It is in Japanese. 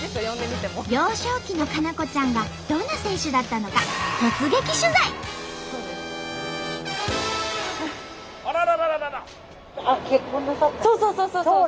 幼少期の佳菜子ちゃんがどんな選手だったのかそうそうそうそう！